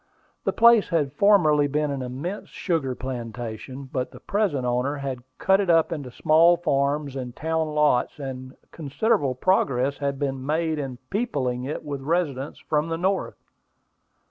The place had formerly been an immense sugar plantation; but the present owner had cut it up into small farms and town lots, and considerable progress had been made in peopling it with residents from the North.